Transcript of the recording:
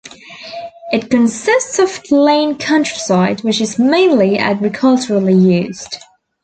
It consists of plain countryside, which is mainly agriculturally used.